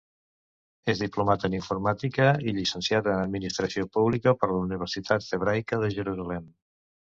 És diplomat en informàtica i llicenciat en administració pública per la Universitat Hebraica de Jerusalem.